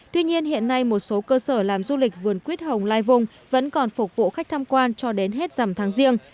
tuy nhiên hiện nay một số cơ sở làm du lịch vườn quyết hồng lai vùng vẫn còn phục vụ khách tham quan cho đến hết rằm tháng riêng